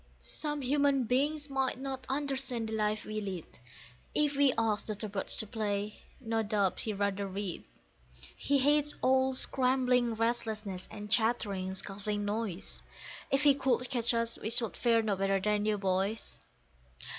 Some human beings might not understand the life we lead; If we asked Dr. Birch to play, no doubt he'd rather read; He hates all scrambling restlessness, and chattering, scuffling noise; If he could catch us we should fare no better than you boys.